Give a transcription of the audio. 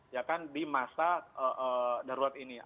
ya kan di masa darurat ini